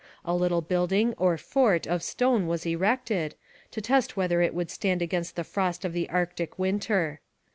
A little building, or fort, of stone was erected, to test whether it would stand against the frost of the Arctic winter.